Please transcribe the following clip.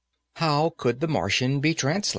how could the Martian be translated...?